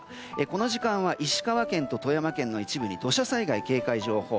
この時間は石川県と富山県の一部に土砂災害警戒情報。